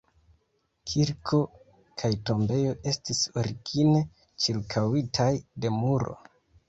Kirko kaj tombejo estis origine ĉirkaŭitaj de muro.